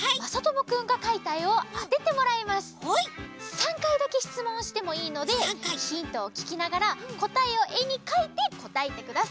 ３かいだけしつもんしてもいいのでヒントをききながらこたえをえにかいてこたえてください。